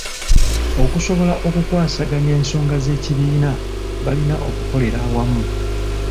Okusobola okukwasaganya ensonga z'ekibiina, balina okukolera awamu.